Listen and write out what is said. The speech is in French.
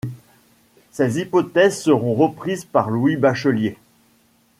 Ces hypothèses seront reprises par Louis Bachelier.